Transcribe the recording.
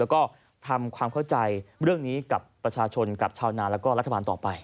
แล้วก็ทำความเข้าใจเรื่องนี้กับประชาชนกับชาวนาแล้วก็รัฐบาลต่อไป